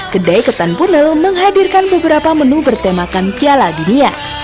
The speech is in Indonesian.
kedai ketan punel menghadirkan beberapa menu bertemakan piala dunia